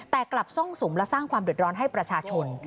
แต่กลับซ่องสุมและสร้างความเดือดร้อนให้ประชาชน